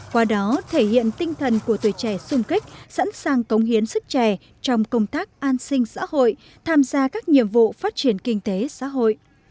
qua đó thể hiện tinh thần của tuổi trẻ sung kích sẵn sàng cống hiến sức trẻ trong công tác an sinh xã hội tham gia các nhiệm vụ phát triển kinh tế xã hội